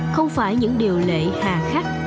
không phải những điều lệ hà khắc